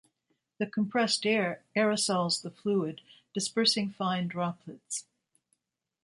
The compressed air aerosols the fluid, dispersing fine droplets.